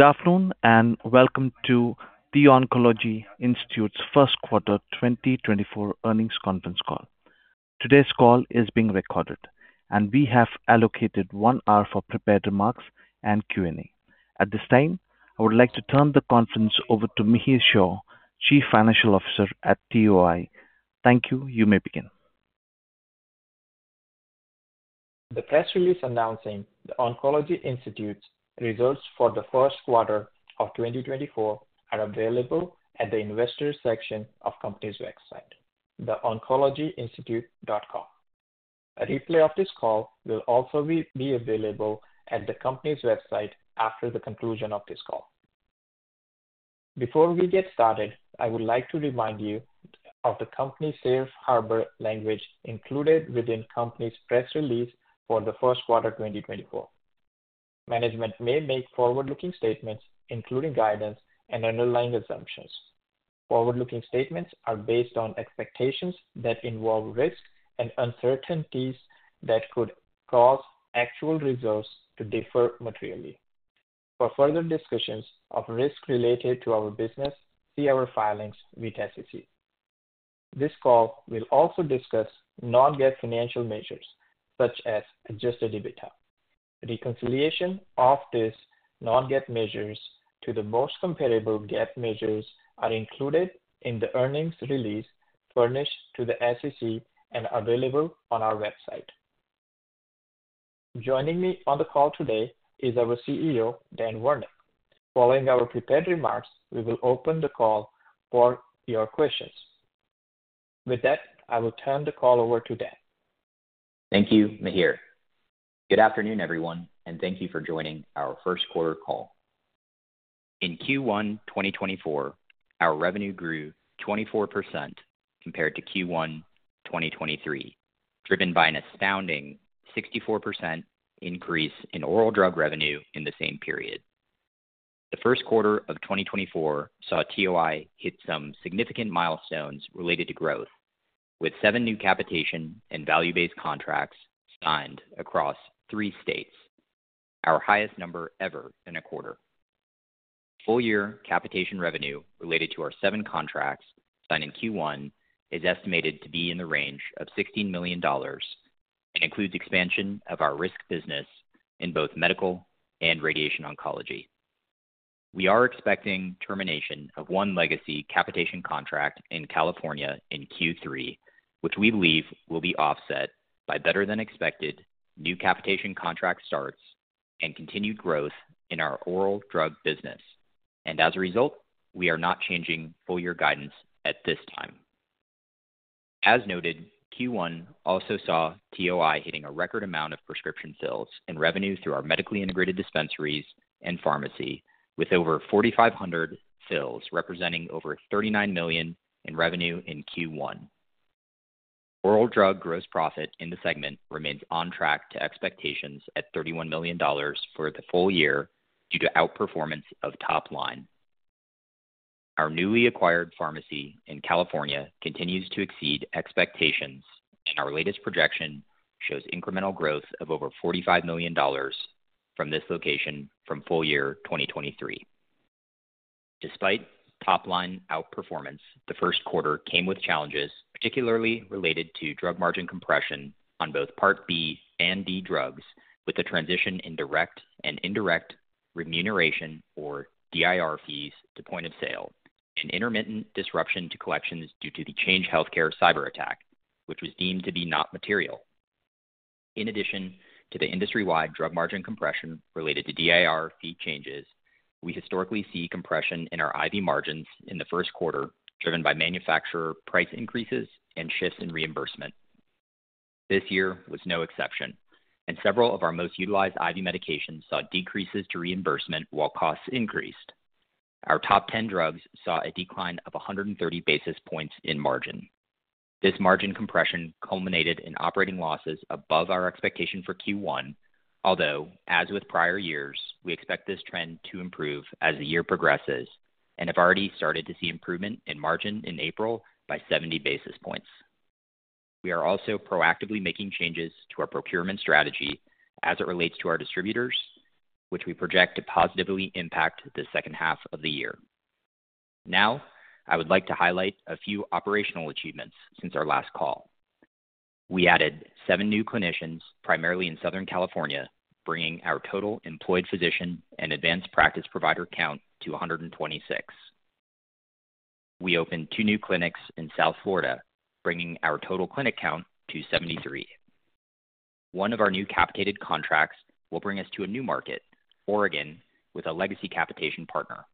Good afternoon, and welcome to The Oncology Institute's first quarter 2024 earnings conference call. Today's call is being recorded, and we have allocated one hour for prepared remarks and Q&A. At this time, I would like to turn the conference over to Mihir Shah, Chief Financial Officer at TOI. Thank you. You may begin. The press release announcing The Oncology Institute's results for the first quarter of 2024 are available at the investor section of the company's website, theoncologyinstitute.com. A replay of this call will also be available at the company's website after the conclusion of this call. Before we get started, I would like to remind you of the company's safe harbor language included within the company's press release for the first quarter 2024. Management may make forward-looking statements, including guidance and underlying assumptions. Forward-looking statements are based on expectations that involve risks and uncertainties that could cause actual results to differ materially. For further discussions of risks related to our business, see our filings with the SEC. This call will also discuss non-GAAP financial measures such as Adjusted EBITDA. Reconciliation of these non-GAAP measures to the most comparable GAAP measures are included in the earnings release furnished to the SEC and available on our website. Joining me on the call today is our CEO, Dan Virnich. Following our prepared remarks, we will open the call for your questions. With that, I will turn the call over to Dan. Thank you, Mihir. Good afternoon, everyone, and thank you for joining our first quarter call. In Q1 2024, our revenue grew 24% compared to Q1 2023, driven by an astounding 64% increase in oral drug revenue in the same period. The first quarter of 2024 saw TOI hit some significant milestones related to growth, with seven new capitation and value-based contracts signed across three states, our highest number ever in a quarter. Full-year capitation revenue related to our seven contracts signed in Q1 is estimated to be in the range of $16 million and includes expansion of our risk business in both medical and radiation oncology. We are expecting termination of one legacy capitation contract in California in Q3, which we believe will be offset by better-than-expected new capitation contract starts and continued growth in our oral drug business. As a result, we are not changing full-year guidance at this time. As noted, Q1 also saw TOI hitting a record amount of prescription fills and revenue through our medically integrated dispensaries and pharmacy, with over 4,500 fills, representing over $39 million in revenue in Q1. Oral drug gross profit in the segment remains on track to expectations at $31 million for the full year due to outperformance of top line. Our newly acquired pharmacy in California continues to exceed expectations, and our latest projection shows incremental growth of over $45 million from this location from full year 2023. Despite top-line outperformance, the first quarter came with challenges, particularly related to drug margin compression on both Part B and Part D drugs, with the transition in Direct and Indirect Remuneration, or DIR fees, to point of sale, and intermittent disruption to collections due to the Change Healthcare cyberattack, which was deemed to be not material. In addition to the industry-wide drug margin compression related to DIR fee changes, we historically see compression in our IV margins in the first quarter, driven by manufacturer price increases and shifts in reimbursement. This year was no exception, and several of our most utilized IV medications saw decreases to reimbursement while costs increased. Our top ten drugs saw a decline of 130 basis points in margin. This margin compression culminated in operating losses above our expectation for Q1, although, as with prior years, we expect this trend to improve as the year progresses and have already started to see improvement in margin in April by 70 basis points. We are also proactively making changes to our procurement strategy as it relates to our distributors, which we project to positively impact the second half of the year. Now, I would like to highlight a few operational achievements since our last call. We added seven new clinicians, primarily in Southern California, bringing our total employed physician and advanced practice provider count to 126. We opened two new clinics in South Florida, bringing our total clinic count to 73. One of our new capitated contracts will bring us to a new market, Oregon, with a legacy capitation partner.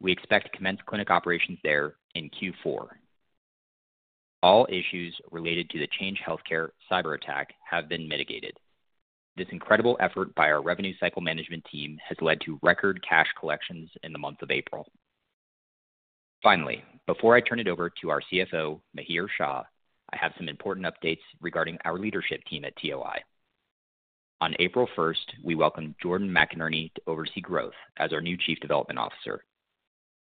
We expect to commence clinic operations there in Q4. All issues related to the Change Healthcare cyberattack have been mitigated. This incredible effort by our revenue cycle management team has led to record cash collections in the month of April. Finally, before I turn it over to our CFO, Mihir Shah, I have some important updates regarding our leadership team at TOI. On April first, we welcomed Jordan McInerney to oversee growth as our new Chief Development Officer....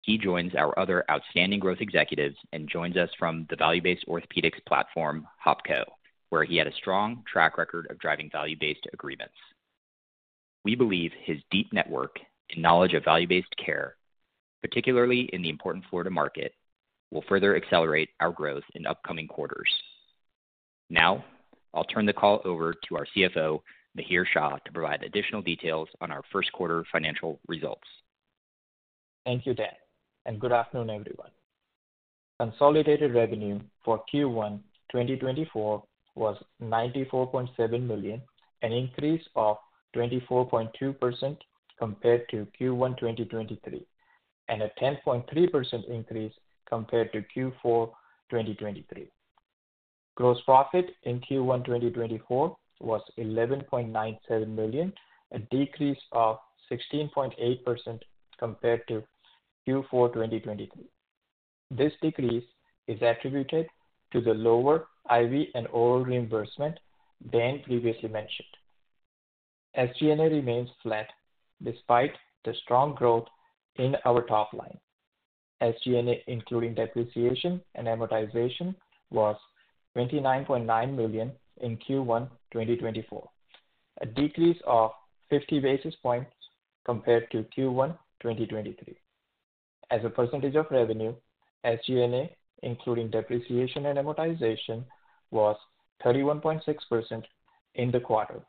He joins our other outstanding growth executives and joins us from the value-based orthopedics platform, HOPCo, where he had a strong track record of driving value-based agreements. We believe his deep network and knowledge of value-based care, particularly in the important Florida market, will further accelerate our growth in upcoming quarters. Now, I'll turn the call over to our CFO, Mihir Shah, to provide additional details on our first quarter financial results. Thank you, Dan, and good afternoon, everyone. Consolidated revenue for Q1 2024 was $94.7 million, an increase of 24.2% compared to Q1 2023, and a 10.3% increase compared to Q4 2023. Gross profit in Q1 2024 was $11.97 million, a decrease of 16.8% compared to Q4 2023. This decrease is attributed to the lower IV and oral reimbursement Dan previously mentioned. SG&A remains flat despite the strong growth in our top line. SG&A, including depreciation and amortization, was $29.9 million in Q1 2024, a decrease of 50 basis points compared to Q1 2023. As a percentage of revenue, SG&A, including depreciation and amortization, was 31.6% in the quarter,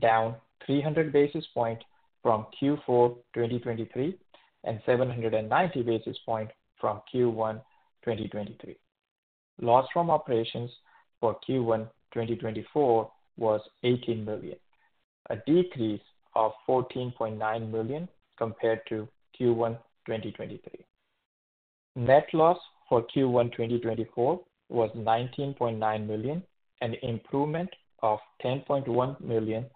down 300 basis points from Q4 2023, and 790 basis points from Q1 2023. Loss from operations for Q1 2024 was $18 million, a decrease of $14.9 million compared to Q1 2023. Net loss for Q1 2024 was $19.9 million, an improvement of $10.1 million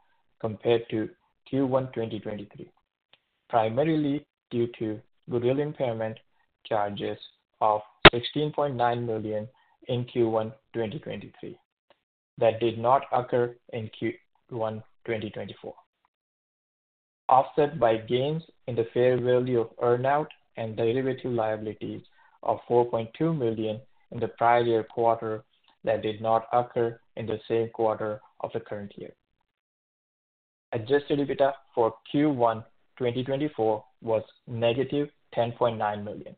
compared to Q1 2023, primarily due to goodwill impairment charges of $16.9 million in Q1 2023, that did not occur in Q1 2024. Offset by gains in the fair value of earn-out and derivative liabilities of $4.2 million in the prior year quarter that did not occur in the same quarter of the current year. Adjusted EBITDA for Q1 2024 was -$10.9 million.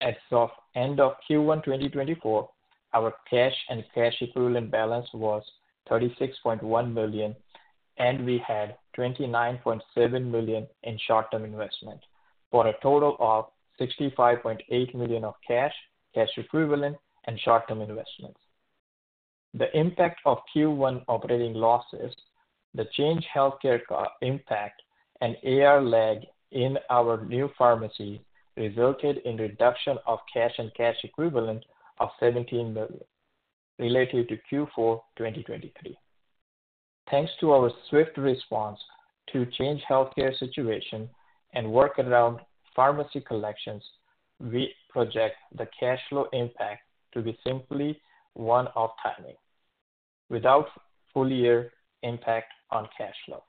As of end of Q1 2024, our cash and cash equivalent balance was $36.1 million, and we had $29.7 million in short-term investment, for a total of $65.8 million of cash, cash equivalent, and short-term investments. The impact of Q1 operating losses, the Change Healthcare cyber impact, and AR lag in our new pharmacy resulted in reduction of cash and cash equivalent of $17 million related to Q4 2023. Thanks to our swift response to Change Healthcare situation and work around pharmacy collections, we project the cash flow impact to be simply one-off timing without full year impact on cash flow.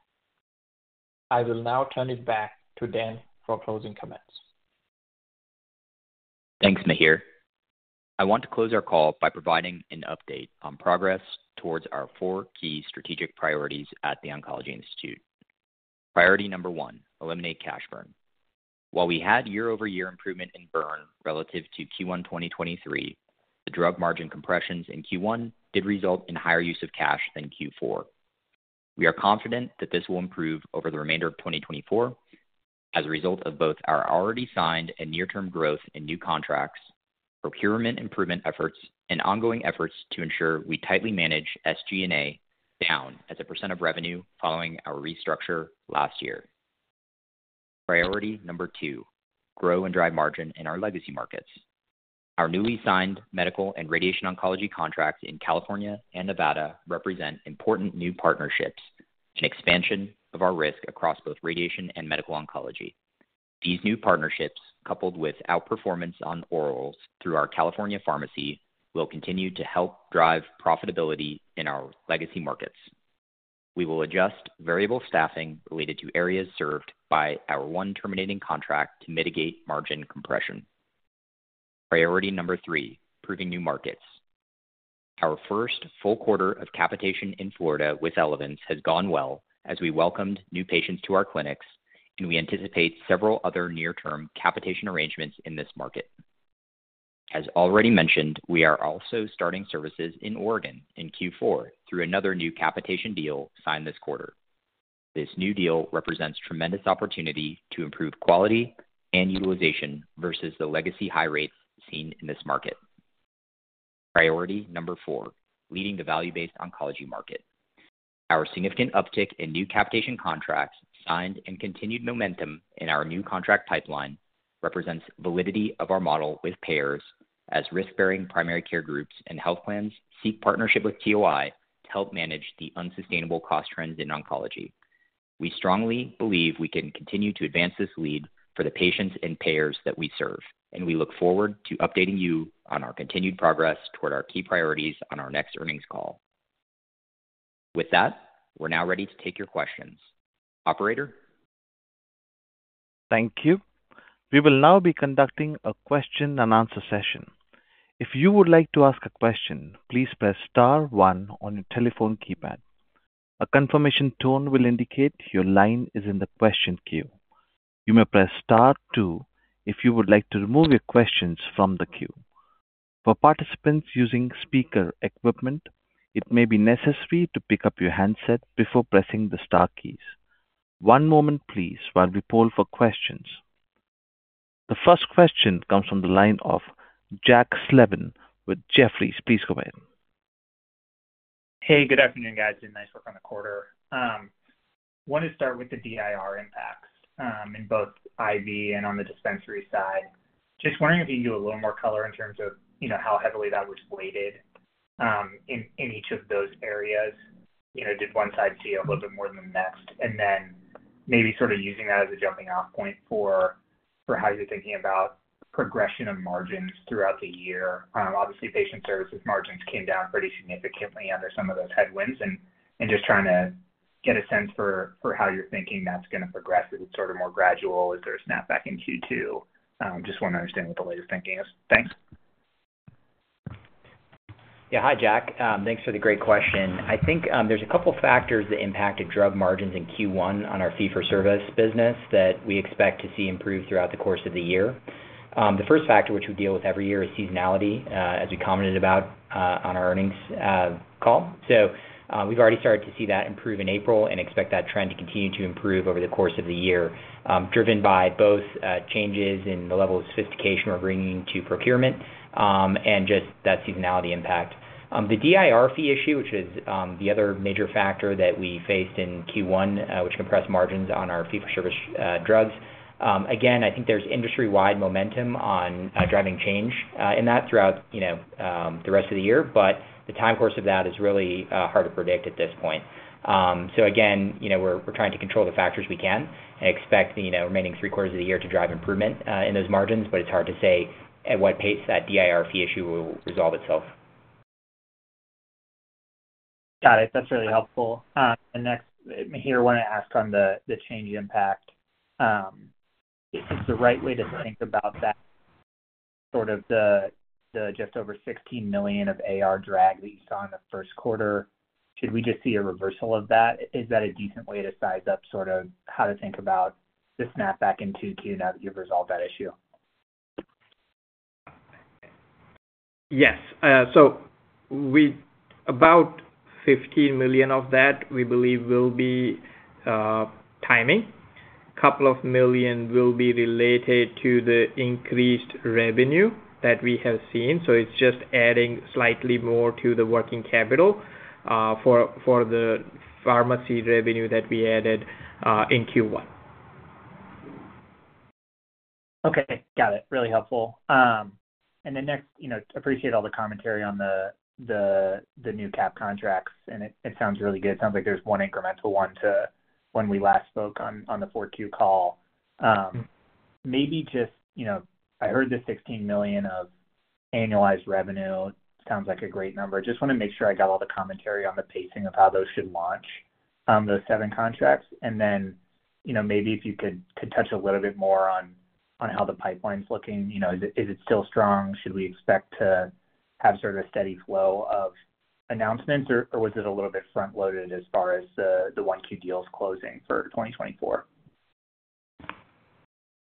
I will now turn it back to Dan for closing comments. Thanks, Mihir. I want to close our call by providing an update on progress towards our four key strategic priorities at The Oncology Institute. Priority number one: eliminate cash burn. While we had year-over-year improvement in burn relative to Q1, 2023, the drug margin compressions in Q1 did result in higher use of cash than Q4. We are confident that this will improve over the remainder of 2024 as a result of both our already signed and near-term growth in new contracts, procurement improvement efforts, and ongoing efforts to ensure we tightly manage SG&A down as a percent of revenue following our restructure last year. Priority number two: grow and drive margin in our legacy markets. Our newly signed medical and radiation oncology contracts in California and Nevada represent important new partnerships and expansion of our risk across both radiation and medical oncology. These new partnerships, coupled with outperformance on orals through our California pharmacy, will continue to help drive profitability in our legacy markets. We will adjust variable staffing related to areas served by our one terminating contract to mitigate margin compression. Priority number three: improving new markets. Our first full quarter of capitation in Florida with Elevance has gone well as we welcomed new patients to our clinics, and we anticipate several other near-term capitation arrangements in this market. As already mentioned, we are also starting services in Oregon in Q4 through another new capitation deal signed this quarter. This new deal represents tremendous opportunity to improve quality and utilization versus the legacy high rates seen in this market. Priority number four: leading the value-based oncology market. Our significant uptick in new capitation contracts signed and continued momentum in our new contract pipeline represents validity of our model with payers as risk-bearing primary care groups and health plans seek partnership with TOI to help manage the unsustainable cost trends in oncology. We strongly believe we can continue to advance this lead for the patients and payers that we serve, and we look forward to updating you on our continued progress toward our key priorities on our next earnings call. With that, we're now ready to take your questions. Operator? Thank you. We will now be conducting a question and answer session. If you would like to ask a question, please press star one on your telephone keypad. A confirmation tone will indicate your line is in the question queue. You may press star two if you would like to remove your questions from the queue. For participants using speaker equipment, it may be necessary to pick up your handset before pressing the star keys. One moment please while we poll for questions. The first question comes from the line of Jack Slevin with Jefferies. Please go ahead. Hey, good afternoon, guys, and nice work on the quarter. Wanted to start with the DIR impacts in both IV and on the dispensary side. Just wondering if you can give a little more color in terms of, you know, how heavily that was weighted in each of those areas. You know, did one side see a little bit more than the next? And then maybe sort of using that as a jumping-off point for how you're thinking about progression of margins throughout the year. Obviously, patient services margins came down pretty significantly under some of those headwinds, and just trying to get a sense for how you're thinking that's gonna progress. Is it sort of more gradual? Is there a snapback in Q2? Just want to understand what the latest thinking is. Thanks. Yeah, hi, Jack. Thanks for the great question. I think, there's a couple factors that impacted drug margins in Q1 on our fee-for-service business that we expect to see improve throughout the course of the year. The first factor, which we deal with every year, is seasonality, as we commented about, on our earnings call. So, we've already started to see that improve in April and expect that trend to continue to improve over the course of the year, driven by both, changes in the level of sophistication we're bringing to procurement, and just that seasonality impact. The DIR fee issue, which is, the other major factor that we faced in Q1, which compressed margins on our fee-for-service drugs. Again, I think there's industry-wide momentum on driving change, and that throughout the rest of the year, but the time course of that is really hard to predict at this point. So again, you know, we're trying to control the factors we can and expect the remaining three quarters of the year to drive improvement in those margins, but it's hard to say at what pace that DIR fee issue will resolve itself. Got it. That's really helpful. Here, I want to ask on the Change impact. If the right way to think about that, sort of the just over $16 million of AR drag that you saw in the first quarter, should we just see a reversal of that? Is that a decent way to size up sort of how to think about the snapback in Q2 now that you've resolved that issue? Yes. So, about $15 million of that, we believe, will be timing. Couple of million will be related to the increased revenue that we have seen, so it's just adding slightly more to the working capital, for the pharmacy revenue that we added in Q1. Okay, got it. Really helpful. And then next, you know, appreciate all the commentary on the new cap contracts, and it sounds really good. Sounds like there's one incremental one to when we last spoke on the 4Q call. Maybe just, you know, I heard the $16 million of annualized revenue. Sounds like a great number. Just wanna make sure I got all the commentary on the pacing of how those should launch, those seven contracts. And then, you know, maybe if you could touch a little bit more on how the pipeline's looking. You know, is it still strong? Should we expect to have sort of a steady flow of announcements, or was it a little bit front-loaded as far as the 1Q deals closing for 2024?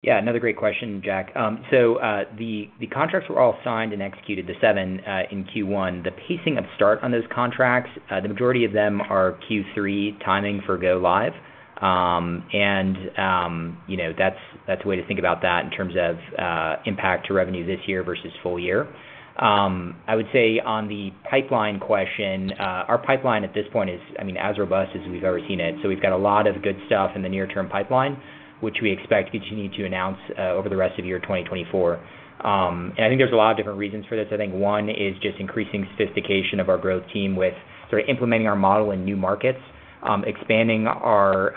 Yeah, another great question, Jack. So, the contracts were all signed and executed, the seven in Q1. The pacing of start on those contracts, the majority of them are Q3 timing for go live. And you know, that's the way to think about that in terms of impact to revenue this year versus full year. I would say on the pipeline question, our pipeline at this point is, I mean, as robust as we've ever seen it. So we've got a lot of good stuff in the near-term pipeline, which we expect to continue to announce over the rest of the year 2024. And I think there's a lot of different reasons for this. I think one is just increasing sophistication of our growth team with sort of implementing our model in new markets, expanding our,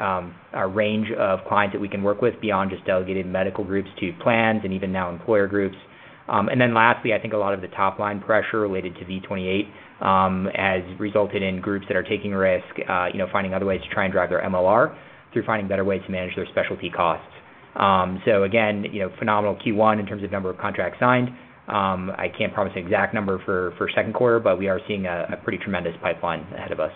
our range of clients that we can work with beyond just delegated medical groups to plans and even now employer groups. And then lastly, I think a lot of the top-line pressure related to V28 has resulted in groups that are taking risk, you know, finding other ways to try and drive their MLR through finding better ways to manage their specialty costs. So again, you know, phenomenal Q1 in terms of number of contracts signed. I can't promise an exact number for, for second quarter, but we are seeing a, a pretty tremendous pipeline ahead of us.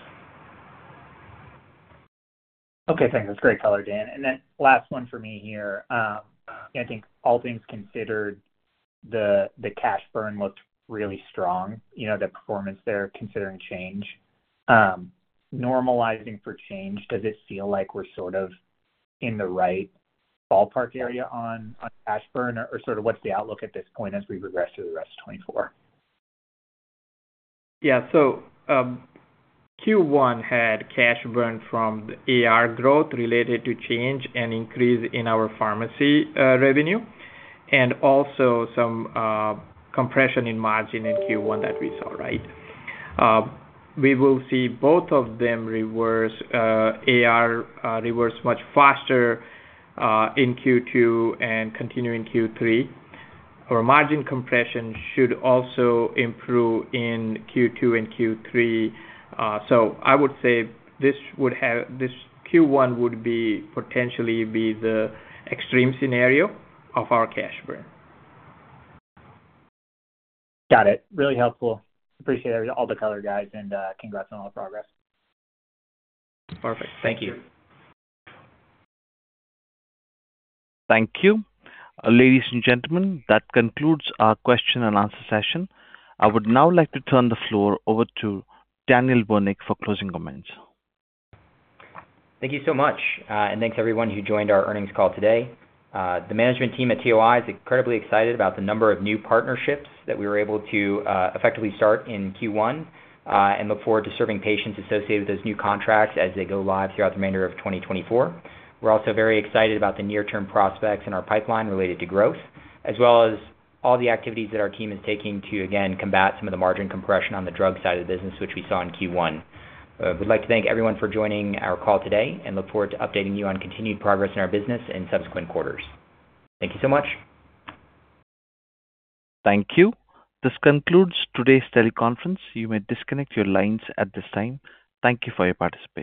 Okay, thanks. That's great color, Dan. Then last one for me here. I think all things considered, the cash burn looked really strong, you know, the performance there, considering Change. Normalizing for Change, does it feel like we're sort of in the right ballpark area on cash burn? Or, sort of, what's the outlook at this point as we progress through the rest of 2024? Yeah. So, Q1 had cash burn from the AR growth related to Change and increase in our pharmacy revenue, and also some compression in margin in Q1 that we saw, right? We will see both of them reverse, AR reverse much faster in Q2 and continue in Q3. Our margin compression should also improve in Q2 and Q3. So I would say this Q1 would be potentially the extreme scenario of our cash burn. Got it. Really helpful. Appreciate all the color, guys, and congrats on all the progress. Perfect. Thank you. Thank you. Ladies and gentlemen, that concludes our question and answer session. I would now like to turn the floor over to Daniel Virnich for closing comments. Thank you so much. Thanks to everyone who joined our earnings call today. The management team at TOI is incredibly excited about the number of new partnerships that we were able to effectively start in Q1, and look forward to serving patients associated with those new contracts as they go live throughout the remainder of 2024. We're also very excited about the near-term prospects in our pipeline related to growth, as well as all the activities that our team is taking to again combat some of the margin compression on the drug side of the business, which we saw in Q1. We'd like to thank everyone for joining our call today and look forward to updating you on continued progress in our business in subsequent quarters. Thank you so much. Thank you. This concludes today's teleconference. You may disconnect your lines at this time. Thank you for your participation.